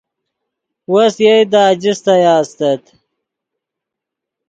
وس یئے دے آجستایا استت